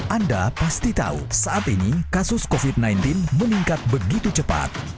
anda pasti tahu saat ini kasus covid sembilan belas meningkat begitu cepat